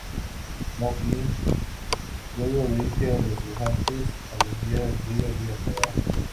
Mowgli luego dirige a los elefantes a desviar el río y apagar.